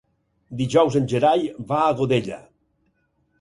Dijous en Gerai va a Godella.